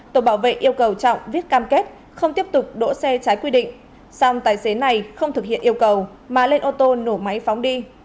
tổ bảo vệ yêu cầu trọng viết cam kết không tiếp tục đỗ xe trái quy định song tài xế này không thực hiện yêu cầu mà lên ô tô nổ máy phóng đi